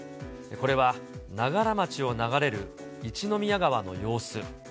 これは、長柄町を流れる一宮川の様子。